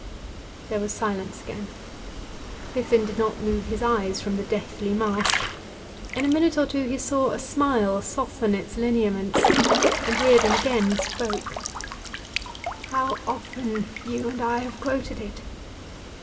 There was silence again. Biffen did not move his eyes from the deathly mask; in a minute or two he saw a smile soften its lineaments, and Reardon again spoke: 'How often you and I have quoted it!